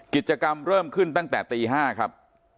กิจกรรมเริ่มขึ้นตั้งแต่ตี๕ครับ